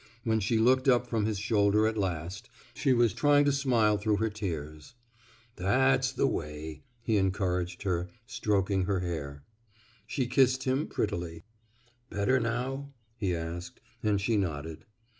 When she looked up from his shoulder at last, she was trying to smile through her tears. That's the way," he encouraged her, stroking her hair. She kissed him prettily. Better nowf " he asked, and she nodded.